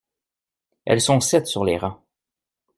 Elles sont sept sur les rangs.